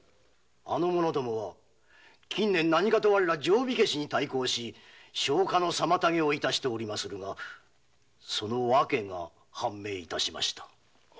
あの者どもは近年何かと我ら「定火消し」に対抗し消火の妨げを致しておりますがその理由が判明致しました。